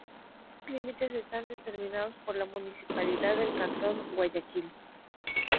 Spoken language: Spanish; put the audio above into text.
Estos límites están determinados por la Municipalidad del cantón Guayaquil.